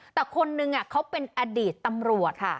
แต่คนนึงเขาเป็นอดีตตำรวจค่ะ